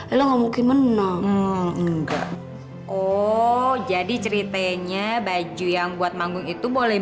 elah nggak mungkin menang enggak oh jadi ceritanya baju yang buat manggung itu boleh